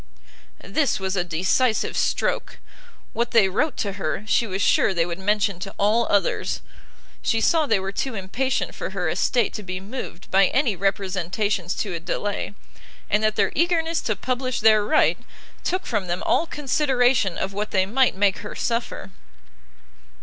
This was a decisive stroke; what they wrote to her, she was sure they would mention to all others; she saw they were too impatient for her estate to be moved by any representations to a delay, and that their eagerness to publish their right, took from them all consideration of what they might make her suffer.